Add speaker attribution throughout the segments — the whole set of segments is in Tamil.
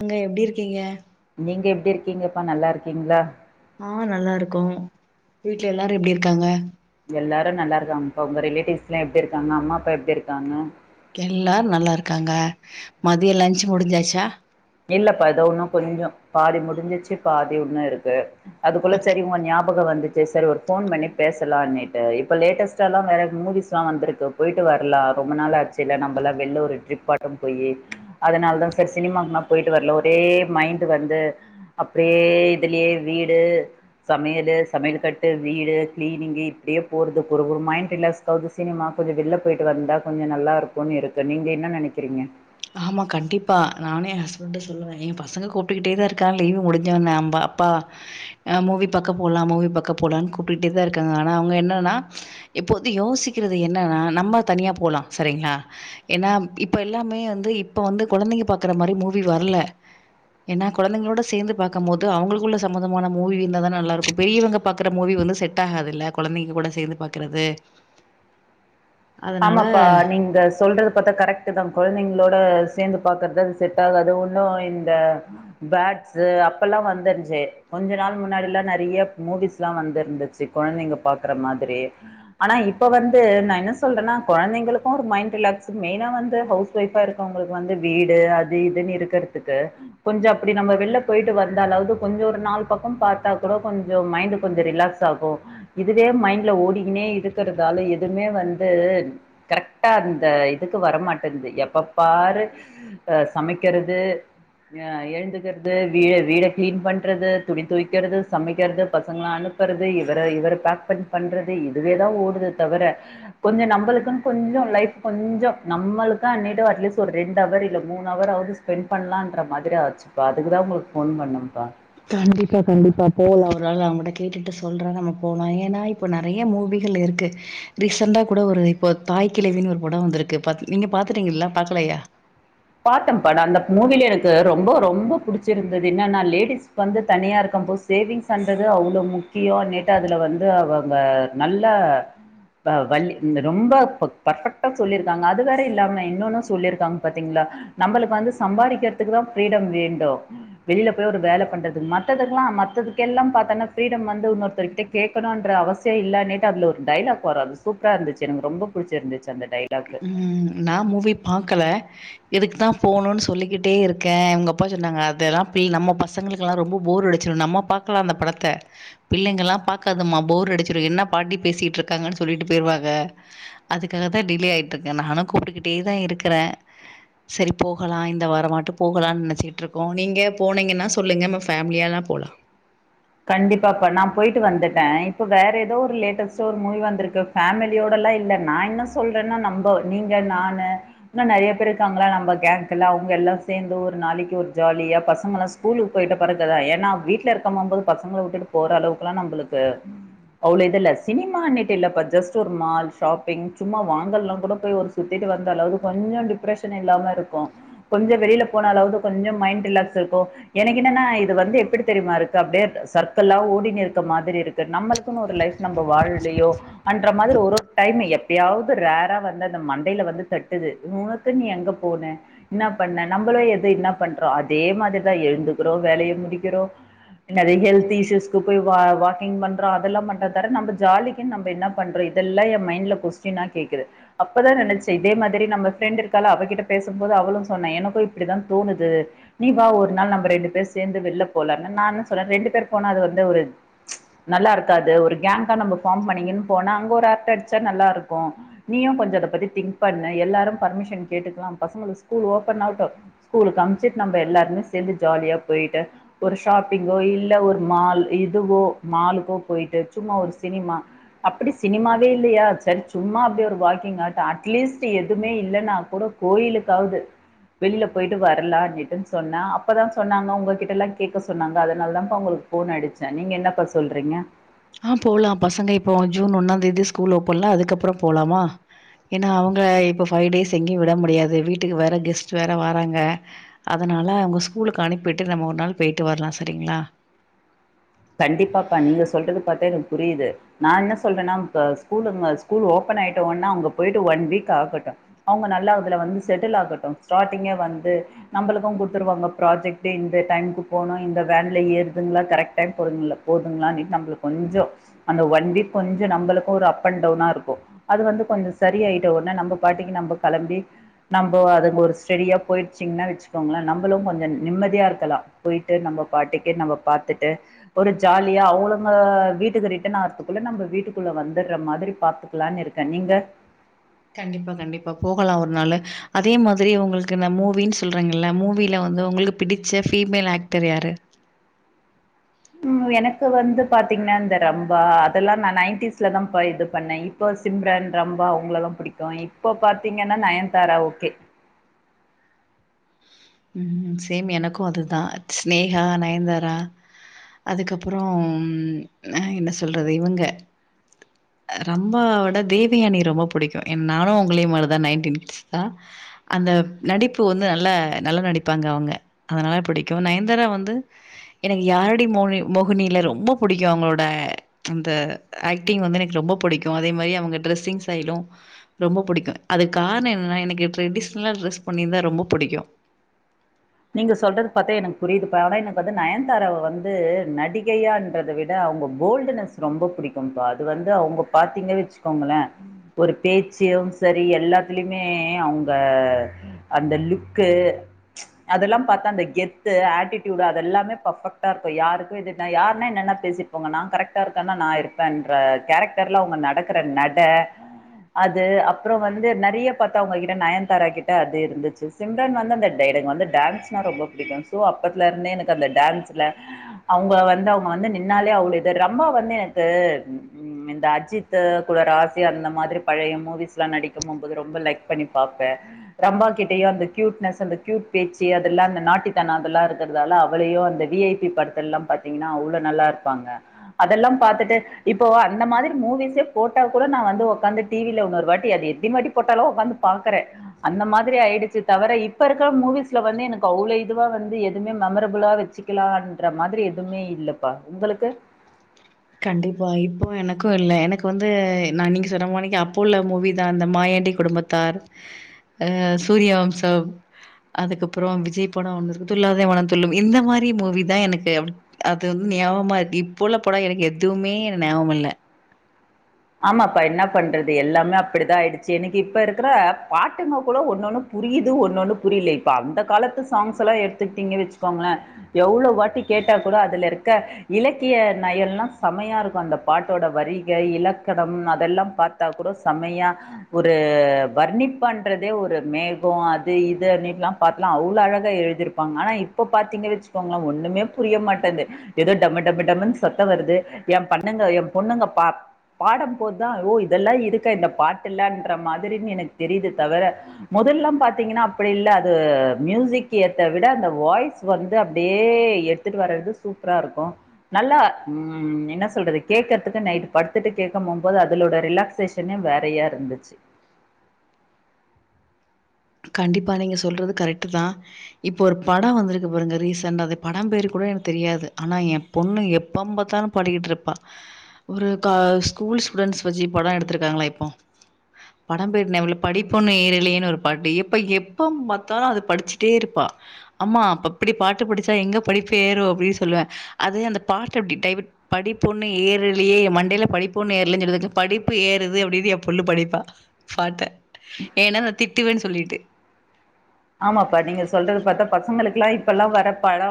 Speaker 1: அங்க எப்டி இருக்கீங்க
Speaker 2: நீங்க எப்டி இருக்கீங்கப்பா நல்லா இருக்கீங்களா
Speaker 1: ஆ நல்லாருக்கோ வீட்ல எல்லாரு எப்டிருக்காங்க
Speaker 2: எல்லாரு நல்லாருக்காங்க உங்க ரிலேட்டிவ்ஸ்ல்லா எப்டிருக்காங்க அம்மப்பா எப்டிருக்காங்க
Speaker 1: எல்லாரு நல்லா இருக்காங்க மதிய லன்ச்சு முடிஞ்சாச்சா
Speaker 2: இல்லப்பா எதோ ஒண்ணு கொஞ்ச பாதி முடிஞ்சிச்சு பாதி உண்ணு இருக்கு அதுக்குள்ள
Speaker 1: ஓகே
Speaker 2: சரி உங்க ஞாப பக வந்துச்ச சார் ஒரு போன் பண்ணி பேசலானுட்டு இப்ப லேட்டஸ்டல்லா வேற மூவிஸ்ல்லா வந்திருக்கு போயிட்டு வந் வரலா ரொம்ப நாள் ஆச்சுல நம்பலா வெள்ல ஒரு ட்ரிப்பாட்ட போய் அதனால தா சார் சினிமாகுனா போயிட்டு வரல ஒரே மைண்ட்டு வந்து அப்டியே இதுலயே வீடு சமையலு சமையல் கட்டு வீடு கிளீனிங்கு இப்டியே போறது ஒரு ஒரு மைண்ட் ரிலாக்ஸ் ஆகுது சினிமா கொஞ்ச வெளில்ல போயிட்டு வந்தா கொஞ்ச நல்லாருக்குன்னு இருக்கு நீங்க என்ன நெனைக்கிறீங்க
Speaker 1: ஆமா கண்டிப்பா நானே ஏ ஹஸ்பண்டு சொல்லுவே ஏ பசங்க கூப்டுக்கிட்டே தா இருக்கா லீவி முடிஞ்சொன் அப்பா மூவி பாக்க போலா மூவி பாக்க போலாம்னு கூப்ட்டுட்டு தா இருக்காங்க ஆனா அவங்க என்னன்னா இப் இப்போது யோசிக்கிறது என்னன்னா நம்ம தனியா போலா சரிங்களா ஏன்னா இப்ப எல்லாமே வந்து இப்ப வந்து குழந்தைங்க பாக்குற மாதிரி மூவி வரல ஏன்னா கொழந்ங்களோட சேந்து பாக்கும் போது அவங்களுக்குள்ள சம்பந்தமான மூவி இருந்த தான நல்லாருக்கு பெரியவங்க பாக்கற மூவி செட் ஆகாதுல்ல கொழந்தைங்க கூட சேந்து பாக்கறது
Speaker 2: ஆமாப்பா நீங்க சொல்றது பாத்தா கரெக்ட்டு தா கொழங்தைங்களோட சேந்து பாக்குறது செட்டாகாது ஒன்னு இந்த பேட்ஸ்சு அப்பல்லா வந்துருச்சு கொஞ்ச நாள் முன்னாடில்லா நெறைய மூவிஸ்ல்லா வந்துருந்துச்சு குழந்தைங்க பாக்குற மாதிரி ஆனா இப் இப்ப வந்து நா என்ன சொ சொல்றேன்னா குழந்தைங்களுக்கு ஒரு மைண்ட் ரிலாக்ஸ் மெய்னா வந்து ஹவுஸ் ஒய்வா இருக்கவங்களுக்கு வந்து வீடு அது இது [unintelligible] இருக்கிறதுக்கு கொஞ்ச அப்டி நம்ம வெளில போய்ட்டு வந்தாலாவது கொஞ்ச ஒரு நாலு பக்க பாத்தா கூட கொஞ் கொஞ்ச மைண்ட் கொஞ்ச ரிலாக்ஸ்ஸாகு இதுவே மைண்ட்ல ஓடிங்கனே இருக்கிறதால எதுவுமே வந் து கரெக்டா அந்த இதுக்கு வரமாட்டேன்து எப்பப்பாரு அ சமை இருக்கிறது ஆ ஏழுந்துக்கிறது வீடு வீட கிளீன் பண்றது துணி துவக்கிறது சமைக்கிறது பசங்களா அனுப் இவரது இவர இவர பேக் பண்ண பண்றது இதுவேதா ஓடுது தவர கொஞ்ச நம்பளுக்கு கொஞ்ச லைஃப் கொஞ்ச நம்மளுக்க அ அட்லீஸ் ஒரு ரெண்டுஅவர் இல்ல மூணு அவர் ஸ்பெண்ட் பண்ணலான்ற மாரி ஆச்சுப்பா அதுக்குதா உங்களுக்கு போன் பண்ணப்பா
Speaker 1: கண்டிப்பா கண்டிப்பா போகல ஒரு நாள் அவங்கட்ட கேட் கேட்டுட்டு சொல்ற நம்ம போலா ஏன்னா இப்ப நெறையா மூவிகள் இருக்கு ரீசன்ட்டா கூட ஒரு இப்ப த தாய்க்கிழவின்னு ஒரு பட வந்திருக்கு பாத் நீங்க பாத்துட்டீங்கல்லா பாக்கலையா
Speaker 2: பாத்தம் பட அந்த மூவில எனக்கு ரொம்ப ரொம்ப புடிச்சிருந்தது என்னன்னா லேடிஸ் வந்து தனியா இருக்க சப்போஸ் சேவிங்ஸ்ண்றது அவ்வளவு முக்கியோ நேத்து அதுல வந்து அவங்க நல்ல ஆ வள்ளி இந்த ரொம்ப ப பர்பெக்டா சொல்லிருக்காங்க அது வேற இல்லாம இன்னொன்னு சொல்லியிருக்காங்க பத் த்திங்களா நம்மளுக்கு வந்து சம்பாறிக்கிறதுக்கு தா பிரீடம் வேண்டும் வெளியில போய் ஒரு வேலை பண்றது மத்த [unintelligible] மத்ததுக்கெல்லா பாத்தன்னா ப்ரீடம் வந்து இன்னொருத்தர் கிட்ட கேக்கணுன்ற அவசிய இல்ல அதுல ஒரு டைலாக் போற அது சூப்பரா இருந்துச்சு எனக்கு ரொம்ப புடிச்சிருந்துச்சு அந்த டை
Speaker 1: ம் நா மூவி பாக்கல இதுக்கு தா போகணுன்னு சொல்லிக்கிட்டே இருக்க அவங்க அப்பா சொன்னாங்க அதெல்லா ப நம்ம பசங்களுக்கெல்லா ரொம்ப போர் அடிச்ச நம்ம பாக்கலா அந்த படத்த பிள்ளைங்கல்லா பாக்காது மா போர் அடிச்சரு என்ன பாட்டி பேசிட்ருக்காங்கன் சொல் சொல்லிட்டு பொயிருவாங்க அதுக்காக தா டிலே ஆயிட்ருக்கே நானு கூப்டுகிட்டே தா இருக்குறே செரி போகலா இந்த வாரமாட்டு போகலானு நெனச்சிட்ருக்கோ நீங்க போனீங்கன்னா சொல்லுங்க நம்ம ஃபேமிலியாலா போலா
Speaker 2: ஆ கண்டிப்பா கா நா பொயிட்டு வந்துட்டே இப்ப வேற எதோ ஒரு லேட்டஸ்டா ஒரு மூவி வந்துருக்கு ஃபேமிலியோட இல்ல இல்ல நா என்ன சொல்றேன்னா நம்ப நீங்க நானு இன்னோ நெறையா பேர் இருக்காங்கள நம்ப கேங்க்ல எல்லா சேந்து ஒரு நாளைக்கு ஒரு ஜாலியா பசங்களா ஸ்கூலுக்கு பொய்ட்ட பிறகுதா ஏனா வீட்ல இருக்காங்கபோது பசங்கள வுட்டுட்டு போற அளவுக்கெல்லா நம்ளுக்கு அவ்ளோ இது இல்ல சினிமானிட்டு இல்லப்பா ஜஸ்ட் ஒரு மால் ஷாப்பிங் சும்மா வாங்கல்னா குட போய் ஒரு சுத்தி வந்தளவு கொஞ்சோ டிப்ரஷன் இல்லாம இருக்கு கொஞ்ச வெளியில போனளாவது கொஞ்சோ மைண்ட் ரிலாக்ஸ் இருக்கு எனக்கு என்னன்னா இது வந்து எப்டி தெரிமா இருக்கு அப்டியே சர்க்கிளா ஓடினு இருக்க மாதிரி இருக்கு நம்ளுக்குனு ஒரு லைஃப் நம்ப வாழுலயோ அன்ற மாதிரி ஒரு ஒரு டைம் எப்பயாவது ரேரா வந்து அந்த மண்டையில வந்து தட்டுது உனக்கு நீ எங்க போன பண்ண நம்பளு எது என்னா பண்றோ அதே மாதிரிதா எழுந்துக்கிறோ வேலய முடிக்கிறோ நெறையா ஹெல்த் இஷ்யூஸ்க்கு போய் வா வாக்கிங் பண்றோ அதெல்லா பண்றோ தர நம்ப ஜாலிக்குனு நம்ப என்னா பண்றோ இதெல்லா ஏ மைண்ட்ல கொஸ்டினா கேக்குது அப்பதா நெனச்சே இதே மாதிரி நம்ப ஃப்ரெண்ட் இருக்கால அவகிட்ட பேசும்போது அவ ளு சொன்னா எனக்கு இப்டிதா தோனுது நீ வா ஒரு நாள் நம்ப ரெண்டு பேரு சேந்து வெள்ல போலானு நானு ரெண்டு பேர் போனா அது வந்து ஒரு நல்லா இருக்காது ஒரு கேங்கா நம்ப பார்ம் பண்ணிங்கின் போனா அங்க ஒரு கட் அடிச்சா நல்லாருக்கு நீயு கொஞ்சோ அத பத்தி திங்க் பண்ணு எல்லாரு பர்மிஷன் கேட்டுக்கலா பசங்களுக்கு ஸ்கூல் ஓபன் ஆவுட்டு ஸ்கூல்க்கு அம்சுட்டு நம்ப எல்லாருமே சேந்து ஜாலியா பொயிட்டு ஒரு ஷாப் பிங்கோ இல்ல ஒரு மால் இதுவோ மாலுக்கோ பொயிட்டு சும்மா ஒரு சினிமா அப்டி சினிமாவே இல்லயா சரி சும்மா அப்டியே ஒரு வாக்கிங் அட் அட்லீஸ்ட் எதுமே இல்லனா குட கோயிலுக்காவ்து வெளில பொயிட்டு வரலா அப்டின்டுனு சொன்னா அப்தா சொன்னாங்க ஒங்ககிட்டலா கேக்க சொன்னாங்க அதனாலதாபா ஒங்ளுக்கு ஃபோன் அடிடுச்சே நீங்க என்னப்பா சொல்றீங்க
Speaker 1: ஆஹ் போலா பசங்க இப்போ ஒன் ஜூன் ஒன்னா தேதி ஸ்கூல் ஓப்பன்ல அதுக்கப்றோ போலாமா ஏனா அவங் இப்ப பைவ் டேஸ் எங்கேயு விட முடியாது வீட்டுக்கு வேற கெஸ்ட் வேற வராங்க அதனால அவங்க ஸ்கூலுக்கு அனுப்பிட்டு நம்ப ஒரு நாள் பொயிட்டு வரலா சரிங்ளா
Speaker 2: உ எனக்கு புரியுது நா என்ன சொல்றேனா இப்ப ஸ்கூல் இங்க ஸ்கூல் ஓபன் ஆயிடோனா அங்க பொய்ட்டு ஒன் வீக் ஆகட்டு அவங்க நல்லா அதுல வந்து செட்டில் ஆகட்டு ஸ்டார்டிங்கே வந்து நம்ளுக்கு குடுத்துருவாங்க ப்ராஜெக்டு இந்த டைமுக்கு போனு இந்த வேன்ல ஏறுதுங்ளா கரெக்ட் [unintelligible] போதுங்களா நம்ளுக்கு கொஞ்சோ அந்த வண்டி கொஞ்சோ நம்ளுக்கு ஒரு அப் அண்ட் டவுனா இருக்கு அது வந்து கொஞ்சோ சரி ஆய்ட்டோனே நம்ப பாட்டிக்கு நம்ப கெளம்பி நம்ம அதுங்க ஒரு ஸ்டெடியா பொயிருச்சீங்கனா வச்சுக்கோங்ளே நம்பளு கொஞ்சோ நிம்மதியா இருக்கலா பொயிட்டு நம் ப பாட்டுக்குே நம்ப பாத்துட் டு ஒரு ஜாலியா அவுங்களம வீட்டுக்கு ரிட்டன் ஆறதுக்குள்ள நம்ப வீட்டுக்குள்ள வந்திட்ற மாதிரி பாத் துகலானு இருக்கே நீங்க
Speaker 1: கண்டிப்பா கண்டிப்பா போகலா ஒரு நாளு அதே மாதிரி ஒங்ளுக்கு இந்த மூவின் சொல்றீங்கில்ல மூவில வந்து ஒங்ளுக்கு பிடிச்ச ஃபீமேல் ஆக்டர் யாரு
Speaker 2: ம் எனக்கு வந்து பாத்தீங்ன்னா இந்த ரம்பா அதெல்லா நா நைன்டிஸ்ல தா இது பண்ணே இப்போ சிம்ரன் ரொம்ப அவங்களலா புடிக்கு இப்ப பாத்தீங்கன்னா நயன்தாரா ஓகே
Speaker 1: ம் சேம் எனக்கு அதுதா சினேகா நயன்தரா அதுக்கப்றோ என்ன சொல்றது இவங்க ரம்பா விட தேவயானி ரொம்ப புடிக்கு எ நானு ஒங்களை மாரிதா நைன்டீன் கிட்ஸ் தா அந்த நடிப்பு வந்து நல்ல நல்லா நடிப்பாங்க அவங்க அதனால பிடிக்கு நயன்தாரா வந்து எனக்கு யாரடி மோகி மோகினில ரொம்ப புடிக்கு அவங்களோட அந்த ஆக்டிங் வந்து எனக்கு ரொம்ப புடிக்கு அதே மாரி அவங்க டிரெஸ்ஸிங் சயி லு ரொம்ப புடிக்கு அதுக்கு கார்ண என்ன எனக்கு ட்ரெடிஷ்னலா டிரஸ் பண்ணிருந்த ரொம்ப புடிக்கு
Speaker 2: நீங்க சொல்றது பாத்தே எனக்கு புரீதுப்பா ஆனா எனக்கு வந்து நயன்தாரவ வந்து நடிகையான்றத விட அவங்க போல்டுனஸ் ரொம்ப புடிக்கும்பா அது வந்து அவங்க பாத்தீங்க வச்சுக்கோங்களே ஒரு பேச்சி சரி எல்லாத்துலயுமே அவங்க அந்த லுக்கு அதெல்லாம் பாத்தா அந்த கெத்து அட்டிட்யூடு அதெல்லாமே பர்ஃபெக்டா இருக்கு யாருக்கு இது யாருனா என்னன்ன பேசி இப்ப அவங்க நான் கரெக்டா இருக்கன்னா நான் இருப்பேன்ற கேரக்டர்ல அவுங்க நடக்குற நட அது அப்ற வந்து நெறைய பாத்தவ உங்ககிட்ட நயன்தாரா கிட்ட அது இருந்துச்சி சிம்ரன் வந்து அந்த டைடங் வந்து டான்ஸ்னா ரொம்ப புடிக்கு சோ அப்பத்ல இருந்தே எனக்கு அந்த டான்ஸ்ல அவுங்க வந்து அவுங்க வந்து நின்னாலே ரம்பா வந்து எனக்கு ம் இந்த அஜித்து கூட ராசிய இருந்த மாதிரி பழய மூவிஸ்லா நடிக்க போம்போது ரொம்ப லைக் பண்ணி பாப்பே ரம்பா கிட்டயு அந்த க்யூட்னஸ் அந்த க்யூட் பேச்சி அதெல்லா அந்த நாட்டித்தன அதுலா இருக்றதால அவளயு அந்த வி ஐ பி படத்தெல்லா பாத்தீங்கனா அவ்ளோ நல்லா இருப்பாங்க அதெல்லா பாத்துட்டு இப்போ அந்த மாதிரி மூவிஸே போட்டா கூட நா வந்து ஒக்காந்து டீ வி இல்ல இன்னொரு வாட்டி அது எத்தின்வாட்டி போட்டாலு ஒக்காந்து பாக்றே அந்த மாதிரி ஆயிடுச்சு தவிர இப்ப இருக்க மூவிஸ் வந்து எனக்கு அவ்ளோ இதுவா வந்து எதுமே மெமரபுளா வச்சிக்கிலான்ற மாதிரி எதுமே இல்லப்பா உங்களுக்கு
Speaker 1: கண்டிப்பா இப்போ எனக்கு இல்ல எனக்கு வந்து நா நீங்க சொன்ன மாணிக்கு அப்போ உள்ள மூவி தா இந்த மா யாண்டி குடும்பத்தார் அ சூரியவம்சம் அதுக்கப்புறம் விஜய் பட ஒண்ணு இருக்கு துள்ளாதே மன துள்ளும் இந்த மாரி மூவி தா எனக்கு அது வந்து ஞாபமா இருக்கு இப்ப உள்ள பட எனக்கு எதுமே ஞாபம் இல்ல
Speaker 2: ஆமாப்பா என்ன பண்றது எல்லாமே அப்படிதா ஆயிடுச்சி எனக்கு இப்ப இருக்கிற பாட்டுங்க கூட ஒன்னொண்ணு புரிது ஒன்னொன்னு புரிலேப்பா அந்த காலத்து சாங்ஸ் எல்லா எடுத்துக்டீங்க வச்சிக்கோங்ளே எவ்ளோ வாட்டி கேட்டா கூட அதுல இருக்க இலக்கிய நய எல்லா செம்மையா இருக்கு அந்த பாட்டோட வரிகை இலக் கடம் அதெல்லா பாத்தா கூட செம்மையா ஒரு வர்ணிப்பாண்றதே ஒரு மே அது இது [unintelligible] பன்லா அவ்ளோ அழகா எழுதிருப்பாங் ஆனா இப்போ பாத்தீங்க வச்சிக்கோங்ளே ஒண்ணுமே புரி புரிய மாட்டென்து ஏதோ டம டம டமன்னு சத்த வருது எ பண்ணுங்க எ பொண்ணுங்க பா பாடம்போதுதா ஓ இதெல்லா இதுக்க இந்த பாட்டுல்லன்ற மாதிரினு எனக் தெரிது தவர மொதல் எல்லா பாத்தீங்கனா அப்பிடி இல்ல அது ம்யூசிக் ஏத்த விட அந்த வாய்ஸ் வந்து அப்டியே எ எடுத்துட்டு வரது சூப்பரா இருக்கும் நல்லா என்ன சொல்றது கேக்றதுக்கு நைட் படுத் படுத்துட்டு கேட்க மோம்போது அதுலோட ரிலாக்சேஷனே வேறையா இருந்துச்சி
Speaker 1: கண்டிப்பா நீங்க சொல்றது கரெட்டுதா இப்போ ஒரு பட வந்திருக்கு பாருங்க ரீசென்டா அத படம் பேரு கூட எனக்கு தெரியாது ஆனா எ பொண்ணு எப்பம் பாத்தாலு பாடிக்கிட்டுருப்பா ஒரு க ஸ்கூல் ஸ்டூடண்ட்ஸ் வச்சி படம் எடுத்திருக்காங்ளா இப்போ படம் பேர் ஞாப இல்ல படிப் பொன்னு ஏறலேன்னு ஒரு படி எப்ப எப்பம் பாத்தாலு அது படிச்சிட்டே இருப்பா ஆம்மா அப்ப அப்படி பாட்டு படிச்சா எங்க படி பேரு அப்டினு சொல்லுவே அது அந்த பாட் அப்டி டைவட் படிப் பொன்னு ஏறலயே மண்டைல படிப்பு ஒ ஏர்லனு சொன்னத்துக்கு படிப்பு ஏறுது அப்டினு எ பொண்ணு படிப்பா பாட்ட ஏன்னா நா திட் ட்டுவேனு சொல்லிட்டு
Speaker 2: ஆமாப்பா நீங்க சொல்றது பாத்தா பசங்களுக்லா இப்பல்லா வர பட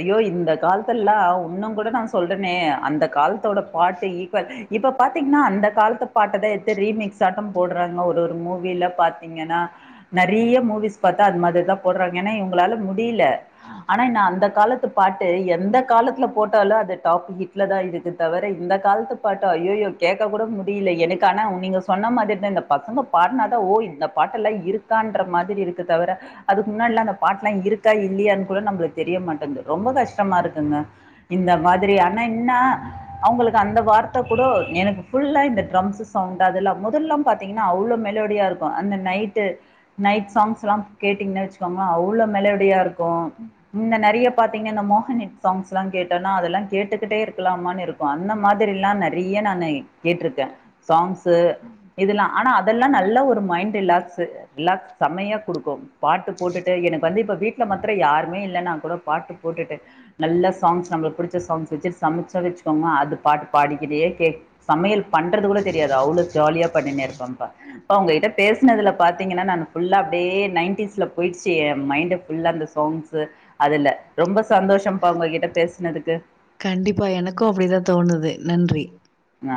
Speaker 2: ஐயோ இந்த காலத்துல்லா ஒன்னுங் கூட நா சொல்றனே அந்த காலத்தோட பாட்டு ஈக்வல் இப்ப பாத்தீங்னா அந்த காலத்து பாட் எடுத்து ரீமிக்ஸ் ஆட்ட போடுறாங்க ஒரு ஒரு மூவில பாத்தீங்கனா நெறைய மூவிஸ் பாத்தா அது மாதிரிதா போடுறாங்க ஏனா இவுங்ளால முடில ஆனா என்ன அந்த காலத்து பாட்டு எந்த கா காலத்துல போட்டாலு அது டாப் ஹிட்லதா இருக்கு தவிர இந்த காலத்து பாட்டா ஐயையோ கேட்க கூட முடில எனக்கு ஆன நீங்க சொன்ன மாதிரிதா இந்த பசங்க பாட்னாதா ஓ இந்த பாட்டெல்லா இருக்கான்ற மாதிரி இருக் கு தவிர அதுக்கு முன்னாடிலா அந்த பாட்லா இருக்கா இல்லியானு கூட நம்பளுக்கு தெரிய மாட்டேன்து ரொம்ப கஷ்டமா இருக்குங்க இந்த மாதிரி ஆனா என்னா அவங்களுக்கு அந்த வார்த்த குடோ எனக்கு ஃபுல்லா இந்த ட்ரம்ஸு சவுண்ட் அதெல்லா மொதல்லாம் பாத்தீங்னா அவ்ளோ மெலோடியா இருக்கு அந்த நைட்டு நைட் சாங்ஸ் ல்லா கேட்டீங்னா வச்சுக்கோங்ளே அவ்ளோ மெலோடியா இருக்கு இந்த நெறைய பாத்தீங்கனா இந்த மோகன் ஹிட் சாங் ஸ்லா கேட்டோனா அதெல்லா கேட்டுக்கிட்டே இருக்கலாமான்னு இருக்கு அந்த மாதிரில்லா நெறைய நானு கேட்ருக்கே சாங்ஸீ இதெல்லா ஆனா அதெல்லா நல்ல ஒரு மைண்ட் ரிலாக்ஸு ரிலாக்ஸ் செம்மையா குடுக்கு பாட்டு போட்டுட்டு எனக்கு வந்து இப்ப வீட்ல மத்திர யாருமே இல்லனாக் கூடோ பாட்டு போட்டுட்டு நல்ல சாங்ஸ் நம்மளுக் பிடிச்ச சாங்ஸ் வச்சிட் சமச்ச வச்சுக்கோங்க அது பாட்டு பாடிக்கிட்டே கேக் சமையல் பண்றது கூட தெரியாது அவ்ளொ ஜாலியா பண்ணிணே இருக்கும்ப்ப பா உங்ககிட்ட பேசனதுல பாத்திங்கனா நானு ஃபுல்லா டியே நைன்டீஸ்ல பொயிட்ச்சி ஏ மைண்டு ஃபுல்லா அந்த சாங்ஸ்ஸு அதுல ரொம்ப சந்தோஷம்பா உங்ககிட்ட பேசுனதுக்கு
Speaker 1: கண்டிப்பா எனக்கு அப்டிதா தோணுது நன்றி
Speaker 2: ஆ